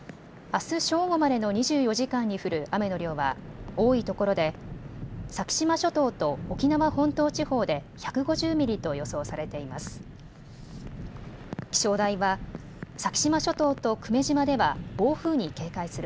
あす正午までの２４時間に降る雨の量は多いところで先島諸島と沖縄本島地方で１５０ミリと予想されています。